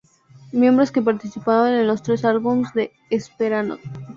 Miembros que participan en los tres albums de Esperanto.